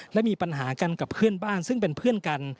และมีปัญหากันกับเพื่อนบ้านซึ่งเป็นเพื่อนกัน